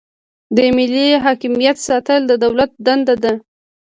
د ملي حاکمیت ساتل د دولت دنده ده.